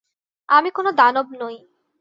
আমি কোনো দানব নই।